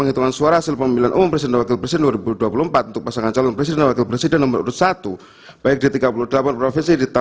entah pasangan calon delta